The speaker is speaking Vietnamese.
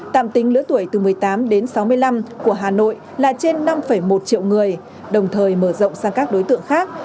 tạm tính lứa tuổi từ một mươi tám đến sáu mươi năm của hà nội là trên năm một triệu người đồng thời mở rộng sang các đối tượng khác